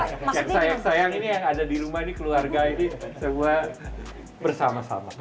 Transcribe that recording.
yang sayang sayang ini yang ada di rumah ini keluarga ini semua bersama sama